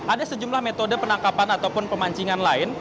ada sejumlah metode penangkapan ataupun pemancingan lain